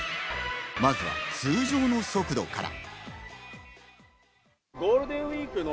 まずは通常の速度から。